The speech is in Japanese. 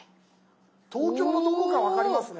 東京のどこか分かりますね。